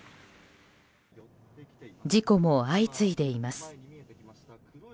事故も相次いでいます。